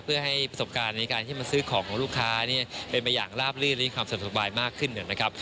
เพื่อให้ประสบการณ์ในการที่มาซื้อของของลูกค้าเนี่ยเป็นไปอย่างลาบลื่นและความสะดวกสบายมากขึ้นนะครับ